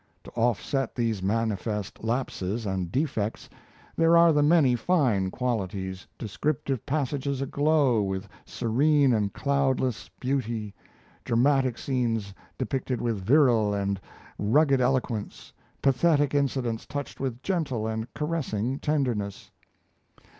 To offset these manifest lapses and defects there are the many fine qualities descriptive passages aglow with serene and cloud less beauty, dramatic scenes depicted with virile and rugged eloquence, pathetic incidents touched with gentle and caressing tenderness.